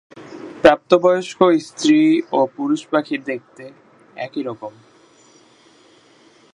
প্রাপ্তবয়স্ক স্ত্রী ও পুরুষ পাখি দেখতে একই রকম।